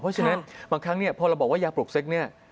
เพราะฉะนั้นบางครั้งเนี่ยพอเราบอกว่ายาปลูกเซ็กเนี่ย